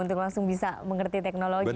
untuk langsung bisa mengerti teknologi